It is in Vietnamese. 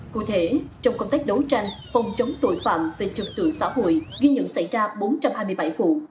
cụ thể trong công tác đấu tranh phòng chống tội phạm về trật tự xã hội ghi nhận xảy ra bốn trăm hai mươi bảy vụ